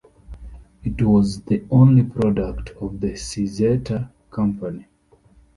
It was the only product of the Cizeta company.